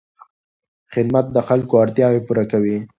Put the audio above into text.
خدمت د خلکو اړتیاوې پوره کوي.